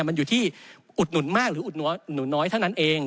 มันอยู่ที่อุดหนุนมากหรืออุดหนุนน้อยเท่านั้นเอง